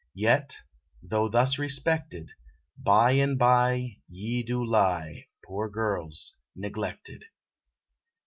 Yet, though thus respected, By and by Ye do lie, Poor girls, neglected.